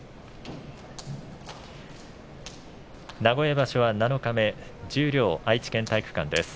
名古屋場所は七日目十両、愛知県体育館です。